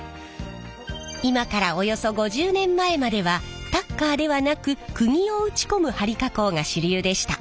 今からおよそ５０年前まではタッカーではなくくぎを打ち込む張り加工が主流でした。